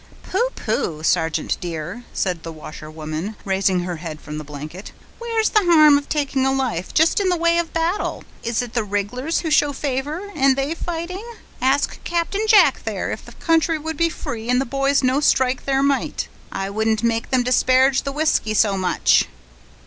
"Pooh! pooh! sergeant dear," said the washerwoman, raising her head from the blanket, "where's the harm of taking a life, jist in the way of battle? Is it the rig'lars who'll show favor, and they fighting? Ask Captain Jack there, if the country could get free, and the boys no strike their might. I wouldn't have them disparage the whisky so much."